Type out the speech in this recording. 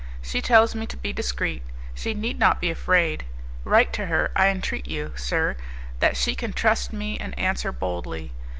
she tells me to be discreet! She need not be afraid. Write to her, I entreat you, sir, that she can trust me, and answer boldly.